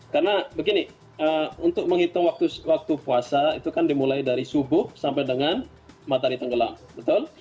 karena begini untuk menghitung waktu puasa itu kan dimulai dari subuh sampai dengan matahari tenggelam betul